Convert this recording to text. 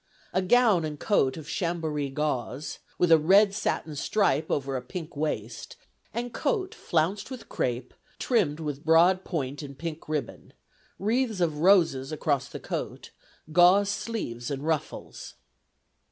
A gown and coat of Chambéri gauze, with a red satin stripe over a pink waist, and coat flounced with crape, trimmed with broad point and pink ribbon; wreaths of roses across the coat; gauze sleeves and ruffles."